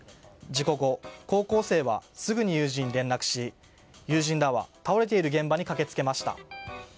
事故後、高校生はすぐに友人に連絡し友人らは倒れている現場に駆けつけました。